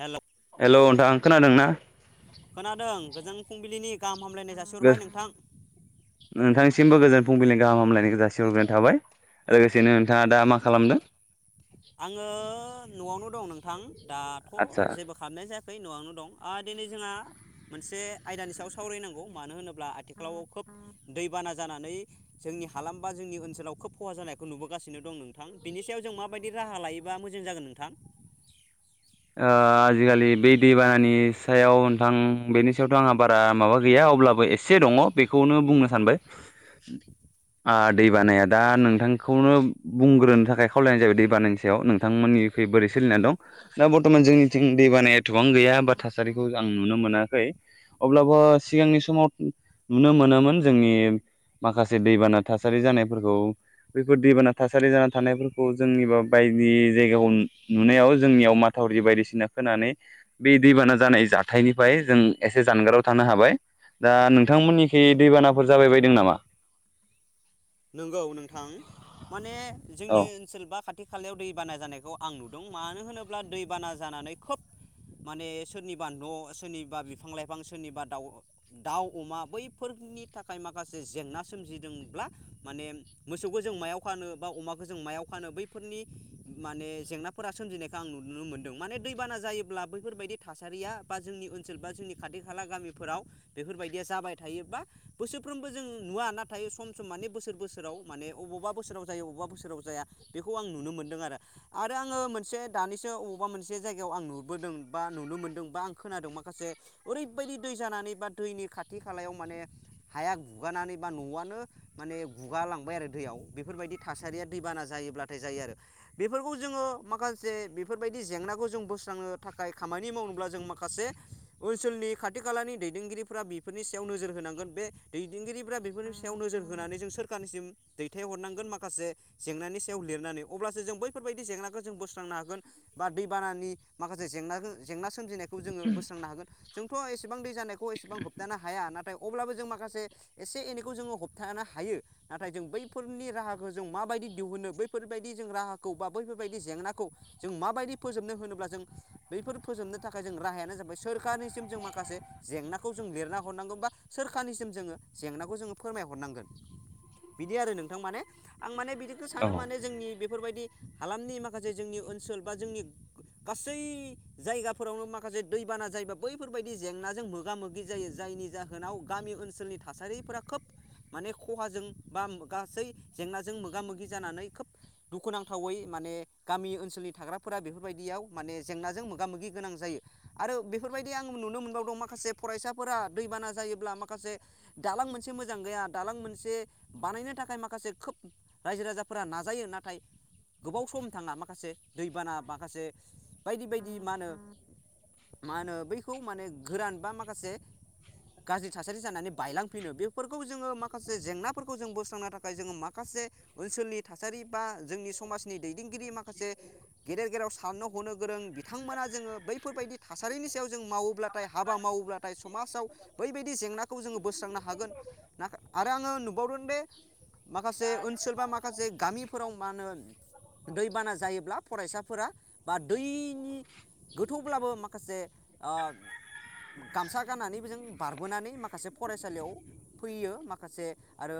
हेल' hello नोंथां खोनादों ना? खोनादों गोजोन फुंबिलिनि गा [unintelligible] नोंथांनिसिमबो गोजोन फुंबिलिं गाहाम हामलायनायखौ जासिहरग्रोनाय थाबाय लोगोसेनो नोंथांङा दा मा खालामदों आंङो नआवनो दं नों थां दाथ आदसा जेबो खालामनाय जायाखै नआवनो दं ओ दिनै जोंहा मोनसे आयदानि सायाव सावरायनांगौ मानो होनोब्ला आथिखालाव खोब दैबाना जानानै जोंनि हालाम बा जोंनि ओनसोलाव खोब खहा जानायखौ नुबोगासिनो दं नोंथां बेनि सायाव जों मा माबायदि राहा लायोबा मोजां जागोन नोंथां ओ आजिखालि बे दैबानानि सायाव नोंथां बेनि सायावथ' आंहा बारा माबा गैया अब्लाबो एसे दङ बेखौनो बुंनो सानबाय ओ दैबानाया दा नोंथांखौनो बुंग्रोनो थाखाय खावलायनाय जाबाय दैबानानि सायाव नोंथांमोननिख्रुइ बोरै सोलिनानै दं दा बर्थमान जोंनिथिं दै बानाया एथबां गैया बा थासारिखौ आं नुनो मोनाखै अब्लाबो सिगांनि समाव नुनो मोनोमोन जोंनि माखासे दैबाना थासारि जानायफोरखौ बेफोर दैबाना थासारि जाना थानायफोरखौ जोंनिबा बायदि जायगायाव नुनायाव जोंनियाव माथावरि बायदिसिना खोनानै बे दैबाना जानाय जाथायनिफ्राय जों एसे जानगाराव थानो हाबाय दा नोंथांमोननिखै दैबानाफोर जाबाय बायदों नामा नंगौ नोंथां माने औ जोंनि ओनसोल बा खा थि खालायाव दैबाना जानायखौ आं नुदों मानो होनोब्ला दैबाना जानानै खोब माने सोरनिबा न' सोरनिबा बिफां लाइफां सोरनिबा दाउ दाउ अमा बैफोरनि थाखाय माखासे जेंना सोमजिदोंब्ला माने मोसौखौ जों मायाव खानो बा अमाखौ जों मायाव खानो बैफोरनि माने जेंनाफोरा सोमजिनायखौ आं नुनो मोनदों माने दैबाना जायोब्ला बैफोरबायदि थासारिया बा जोंनि ओनसोल बा जोंनि खाथि खाला गामिफोराव बेफोरबायदिया जाबाय थायोबा बोसोरफ्रोमबो जों नुवा नाथाय सम सम माने बोसोर बोसोराव माने अबावबा बोसोराव जायो अबावबा बोसोराव जाया बेखौ आं नुनो मोनदों आरो आरो आङो मोनसे दानिसो अबावबा मोनसे जायगायाव आं नुबोदों बा नुनो मोनदों बा आं खोनादों माखासे ओरैबायदि दै जानानै बा दैनि खाथि खालायाव माने हाया गुगानानै बा न'आनो माने गुगालांबाय आरो दैयाव बेफोरबायदि थासारिया दैबाना जायोब्लाथाय जायो आरो बेफोरखौ जोंङो माखासे बेफोरबायदि जेंनाखौ जों बोस्रांनो थाखाय खामानि मावनोब्ला जों माखासे ओनसोलनि खाथि खालानि दैदेनगिरिफ्रा बेफोरनि सायाव नोजोर होनांगोन बे दैदेनगिरिफ्रा बेफोरनि सायाव नोजोर होनानै जों सोरखार होनो हागोन बा दैबानानि माखा बे जेंनाखो जेंना सोमजिनायखौ जोंङो बोस्रांनो हागोन जोंथ एसेबां दै जानायखौ एसेबां होबथानो हाया नाथाय अब्लाबो जों माख माखासे एसे एनैखौ जोंङो हम थांनो हायो नाथाय जों बैफोरनि राहाखौ जों माबायदि दिहुनो बैफोरबायदि जों राहा बा बैफोरबायदि जेंनाखौ जों माबायदि फोजोबनो होनोब्ला जों बैफोर फोजोबनो थाखाय जों राहायानो जाबाय सोरखारनिसिम जों माखासे जेंनाखौ जों लिरना हरनांगौ बा सोरखारनिसिम जोङो जेंनाखौ जोंङो फोरमाय हरनांगोन बिदि आरो नोंथां माने। आं माने बिदिखो औ सानो माने जोंनि बेफोरबायदि हालामनि माखासे जोंनि ओनसोल बा जोंनि गासै जायगाफोरावनो माखासे दैबाना जायोबा बैफोरबायदि जेंनाजों मोगा मोगि जायो जायनि जाहोनाव गामि ओनसोलनि थासारिफोरा खोब माने खहाजों बा गासै जेंनाजों मोगा मोगि जानानै खोब दुखुनांथावै माने गामि ओनसोलनि थाग्राफोरा बेफोरबायदियाव माने जेंनाजों मोगा मोगि गोनां जायो आरो बेफोरबायदि आं नुनो मोनबावदों माखासे फरायसाफोरा दैबाना जायोब्ला माखासे दालां मोनसे मोजां गैया दालां मोनसे बानायनो थाखाय माखासे खोब रायजो राजाफोरा नाजायो नाथाय गोबाव सम थांङा माखासे दैबाना माखासे बायदि बायदि मा होनो मा होनो बैखौ माने गोरान बा माखासे गाज्रि थासारि जानानै बायलांफैनो बेफोरखौ जोंङो माख माखासे जेंनाफोरखौ जों बोस्रांनो थाखाय जोंङो माखासे ओनसोलनि थासारि बा जोंनि समाजनि दैदेनगिरि माखासे गेदेर गेेर साननो हनो गोरों बिथांमोना जोङो बैफोरबायदि थासारिनि सायाव जों मावोब्लाथाय हाबा मावोब्लाथाय समाजाव बैबायदि जेंनाखौ जोंङो बोस्रांनो हागोन ना। आरो आंङो नुबावदों बे माखासे ओनसोल बा माखासे गामिफोराव मा होनो दैबाना जायोब्ला फरायसाफोरा बा दैनि गोथौब्लाबो माखासे ओ गामसा गाननानै बेजों बारबोनानै माखासे फरायसालियाव फैयो माख माखासे आरो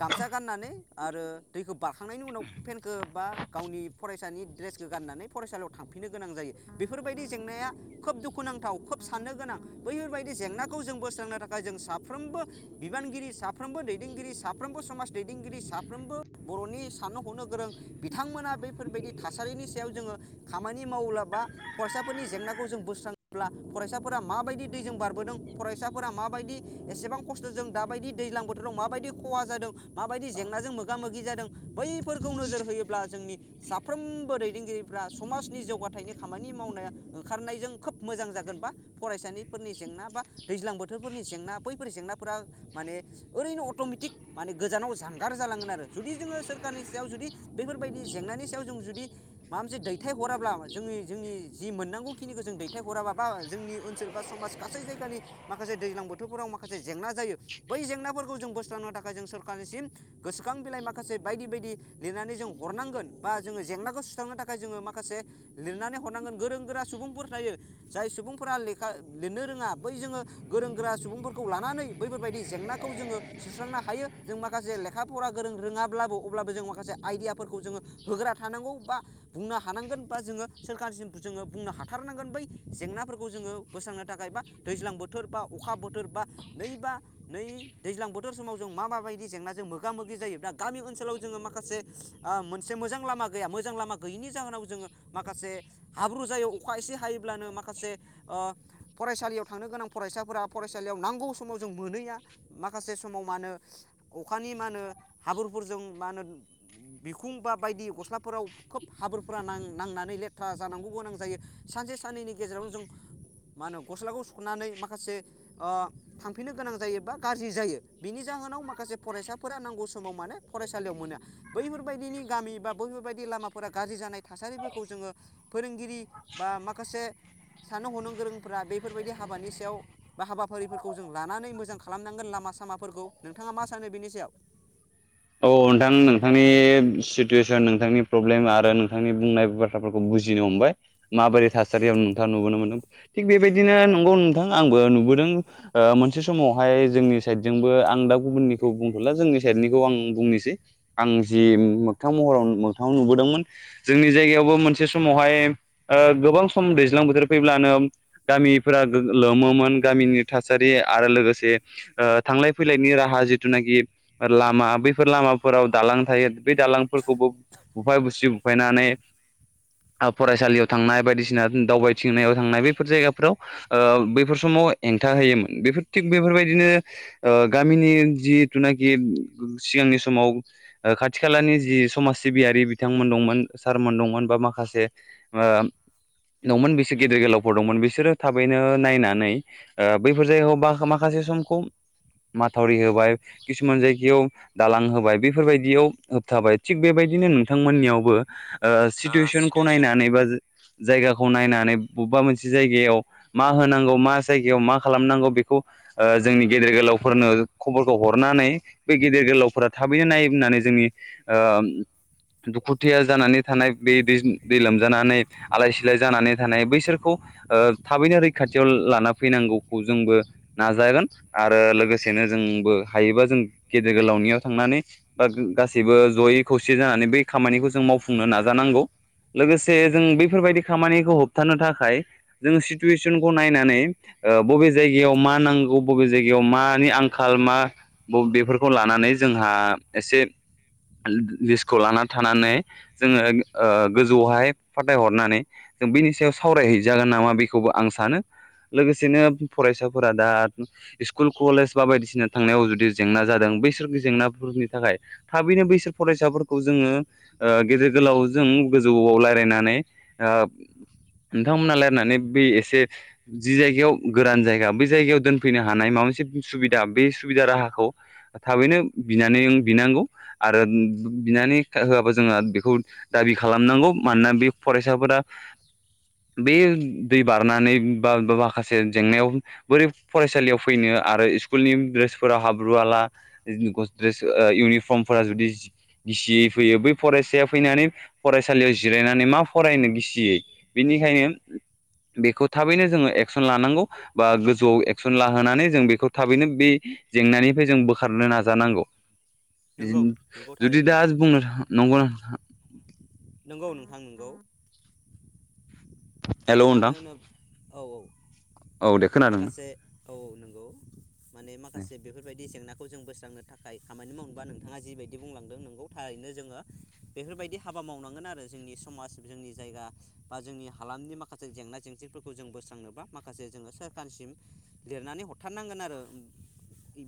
गामसा गाननानै आरो दैखौ बारखांनायनि उनाव पेेनखौ बा गावनि फरायसानि दड्रेसखौ गाननानै फरायसालियाव थांफिननो गोनां जायो बेफोरबायदि जेंनाया खोब दुखुनांथाव खोब साफ्रोमबो दैदेनगिरि साफ्रोमबो समाज दैदेनगिरि साफ्रोमबो बरनि साननो हननो गोरों बिथां बैफोर बादि थासारिनि सायाव जोंङो खामानि मावब्ला बा फरायसा फोरनि जेंनाखौ जों बोस्रांङोब्ला फरायसाफोरा माबादि दैजों बारबोदों फरायसाफोरा माबायदि एसेबां खसथजों जाबादि दैज्लां बोथोराव माबायदि खहा जादों माबायदि जेंनाजों मोगा मोगि जादों बैफोरखौ नोजोर होयोब्ला जोंनि साफ्रोमबो दैदेनगिरिफ्रा समाजनि जौगाथायनि खामानि मावनाय ओंखारनायजों खोब मोजां जागोन बा फरायसालिफोरनि जेंना बा दैज्लां बोथोरफोरनि जेंना बैफोर जेंनाफोरा माने ओरैनो अट'मेटिक माने गोजानाव जानगार जालाांगोन आरो जुदि जोङो सोरखारनि सायाव जुदि बेफोरबायदि जेंनानि सायाव जों जुदि माबा मोनसे दैथायहराब्ला जोंनि जोंनि जि मोननांगौ खिनिखौ जों दैथायहराबा बा जोंनि ओनसोल बा समाज गासै जायगानि माखासे दैज्लां बोथोरफोराव माखासे जेंना जायो। बै जेंनाफोरखौ जों बोस्रांनो थाखाय जों सरखारारनिसिम गोसोखां बिलाइ माखासे बायदि बायदि लिरनानै जों हरनांगोन बा जोङो जेंनाखौ सुस्रांनो थाखाय जोङो माखासे लिरनानै हरनांगोन गोरों गोरा सुबुंफोर थायो जाय सुबुंफोरा लेखा लिरनो रोंङा बै जोंङो गोरों गोरा सुबुंफोरखौ लानानै बैफोरबायदि जेंनाखौ जोङो सुस्रांनो हायो जों माखासे लेखा फरा गोरों रोङाब्लाबो अब्लाबो जों माखासे आइडियाफोरखौ जोङो होग्रा थानांगौ बा बुंनो हानांगोन बा जोङो सोरखारसिम जोङो बुंनो हाथारनांगोन बै जेंनाफोरखौ जोंङो बोस्रांनो थाखाय बा दैज्लां बोथोर बोथोर बा अखा बोथोर बा नैबा नै दैज्लां बोथोर समाव जों मा माबायदि जेंनाजों मोगा मोगि जायोब्लाा गामि ओनसोलाव जोंङो माखासे मोनसे मोजां लामा गैया मोजां लामा गोयैनि जोनाव जोङो माखासे हाब्रु जायो अखा एसे हायोब्लानो माखासे ओ फरायसालियाव थांनो गोनां फरायसाफोरा फरायसालियाव नांगौ समाव जों मोनैया माखासेस समाव मा होनो अखानि मा होनो हाबुरफोरजों मा होनो बिखुं बा बायदि गस्लाफोराव खोब हाबोरफोरा नाङो। नांनानै लेथ्रा जानांगौबो गोनां जायो सानसे साननैनि गेजेरावनो जों मा होनो गस्लाखौ सुनानै माखासे अ सुफिननो गोनां जायो बा गाज्रि जायो बिनि जाहोनाव माखासे फरायसाफोरा नांगौ समाव माने फरायसालियाव मोना बैफोरबायदि गामि बा बैफोरबायदि लामाफोरा गाज्रि जानाय थासारिफोरखौ जोङो फोरों गिरि बा माखासे सानो हनो गोरोंफोरा बेफोरबायदि हाबानि सायाव बा हाबाफारिफोरखौ जों लानानै मोजां खालामनांगोन लामा सामाफोरखौ नोंथाङा मा सानो बेनि सायाव? औ नोंथां नोंथांनि सितुयेसन नोंथांनि प्रब्लेम आरो नोंथांनि बुंनाय बाथ्राफोरखौ बुजिनो हमबाय माबोरै थासारियाव नोंथाङा नुबोनो मोनदों थिग बेबादिनो नंगौ नोंथां आंबो नुबोदों ओ मोनसे समावहाय जोंनि सायेटजोंबो आं दा गुबुननिखौ बुंथला जोंनि सायेतनि आं बुंनोसै आं जि मोगथां महराव मोगथाव नुबोदोंमोन जोंनि जायगायावबो मोनसे समावहाय ओ गोबां सम दैज्लां बोथोर फैब्लानो गामिफोरा लोमोमोन गामिनि थासारि आरो लोगोसे ओ थांलाय फैलायनि राहा जिथु नागिर लामा बैफोर लामाफोराव दालां थायो बै दालांफोरखौबो बुफाय बुसिरि बुफायनानै फरायसालियाव थांनाय बायदिसिना दावबायथिंनायाव थांनाय बैफोर जायगाफोराव ओ बैफोर समाव हेंथा होयोमोन बेफोर थिग बेफोरबायदिनो ओ गामिनि जिथुनाखि सिगांनि समाव ओ खाथि खालानि जि समाज सिबियारि बिथांमोन दंमोन सारमोन दंमोन बा माखासे ओ दंमोन बिसोर गेदेर गोलावफोर दंमोन बिसोरो थाबैनो नायनानै ओ बैफोर जायगायाव बा माखासे समखौ माथावरि होबाय किसुमान जायग गायाव दालां होबाय बेफोरबायदियाव होबथाबाय थिग बेबायदिनो नोंथांमोननियावबो ओ सिथुवेसनखौ सिटुवेसन नायनानै बा जायगाखौ नायनानै बबेबा मोनसे जायगायाव मा होनांगौ मा जायगायाव मा खालामनांगौ बेखौ ओ जोंनि गेदेर गोलावफोरनो खबरखौ हरनानै बे गेदेर गोलावफोरा थाबैनो नायनानै जोंनि ओ दुखुथिया जानानै थानाय बे दै दै लोमजानानै आलाय सिलाय जानानै थानाय बैसोरखौ ओ थाबैनो रैखाथियाव लाना फैनांगौखौ जोंबो नाजागोन आरो लोगोसेनो जोंबो हायोबा जों गेदेर गोलावनियाव थांनानै बा गासैबो जयै खौसेयै जानानै बै खामानिखौ जों मावफुंनो नाजानांगौ लोगोसे जों बैफोरबायदि खामानिखौ होबथानो थाखाय जों सिटुवेसनखौ नायनानै बबे जायगायाव मा नांगौ बबे जायगायाव मानि आंखाल मा ब बेफोरखौ खौ लानानै जोंहा एसे लिस्खौ लानानै थानानै जोङो ओ गोजौआवहाय फाथायहरनानै जों बेनि सायाव सावरायहैजागोन नामा बेखौबो आं सानो लोगोसेनो फरायसाफोरा दा स्कुल कलेज बा बायदिसिना थांनायाव जुदि जेंना जा दों बैसोर जेंनाफोरनि थाखाय थाबैनो बैसोर फरायसाफोरखौ जोङो ओ गेदेर गोलाव जों गोजौआव रायलायनानै नोंथांमोना रायलायनानै बे एसे जि जायगायाव गोरान जायगा बै जायगायाव दोनफैनो हानाय माबा मोनसे सुबिदा बे सुबिदा राहाखौ थाबैनो बिनानै बिनांगौ आरो बिनानै होआबा जोंहा बेखौ दाबि खालामनांगौ मानोना बे फरायसाफोरा बे दै बारनानै बा माखासे जेंनायाव बोरै फरायसालियाव फैनो आरो इस्कुलनि ड्रेसफोरा हाब्रु हाला ओ गद द्रेस ओ इउनिफर्मफोरा जुदि गिसियै फैयो बै फरायसाया फैनानै फरायसालियाव जिरायनानै मा फरायनो गिसियै बेनिखायनो बेखौ थाबैनो जोङो एक्सन लानांगौ बा गोजौआव एक्सन लाहोनानै जों बेखौ थाबैनो बे जेंनानिफ्राय जों बो खारनो नाजानांगौ। नंगौ नंगौ जुदि थारैनो दा नोंथां बुंनो नंगौ नोथा [inaudible] नंगौ नोंथां नोंगौ। हेल' नोंथां मानो होनोब औ औ औ दे खोनादों माखासे औ औ नों औ माने माखासे बेफोरबायदि जेंना खौ जों बोस्रांनो थाखाय खामानि मावबा नोंथाङा जिबायदि बुंलांदों नोंगौ थारैनो जोङो बेफोरबायदि हाबा मावनांगोन आरो जोंनि समाज जोंनि जायगा बा जोंनि हालामनि माखासे जों जेंना जेंसिफोरखौ जों बोस्रांनोबा माखासे जोङो सोरखारनिसिम लिरनानै हरथारनांगोन आरो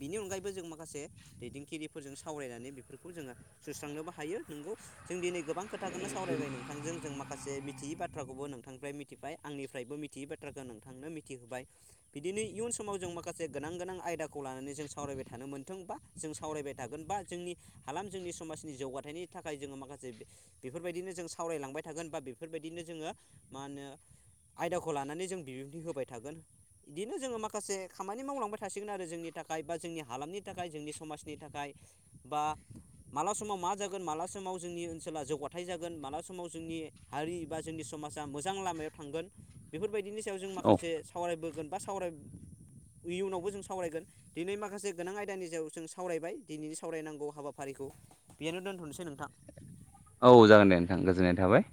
बिनि अनगायैबो जों माखासे दैदेनगिरिफोरजों सावरायनानै बेफोरखौ जोङो सुस्रांनोबो हायो नोंगौ जों दिनै गोबां खोथाोननो सावरायबाय नोंथांजों जों मा माखासे मिथियै बाथ्राखौबो नोंथांनिफ्राय मिथ मिथिबाय आंनिफ्रायबो मिथियै बाथ्राखौ नोंथांनो मिथिहोबाय बिदिनो इयुन समाव जों माखासे गोनां गोनां आयदाखौ लानानै जों सावरायबाय थानो मोनथोंबा जों सावरायबाय थागोन बा जोंनि हालाम जोंनि समाजनि जौगाथायनि थाखाय जोङो माखासे बेफोरबायदिनो जों सावरायलांबाय थागोन बा बेफोरबायदिनो जोङो मा होनो आयदाखौ लानानै जों बिबुंथि होबाय थागोन बिदिनो जोङो माखासे खामानि मावलांबाय थासिगोन आरो जोंनि थाखाय बा जोंनि हालामनि थाखाय जोंनि समाजनि थाखाय बा माला समाव मा जागोन माला समाव जोंनि ओनसोला जौगाथाय जागोन माला समाव जोंनि हारि बा जोंनि समाजा मोजां लामायाव थांगोन बेफोरबायदिनो सायाव जों औ माखासे सावरायबोगोन। सावराय इयुनावबो जों सावरायगोन दिनै माखासे गोनां आयदानि सायाव जों सावरायबाय दिनैनि सावरायनांगौ हाबाफारिखौ बेयनो दोनथ'नोसै नोंथां औ जागोन दे नोंथां गोजोननाय थाबाय।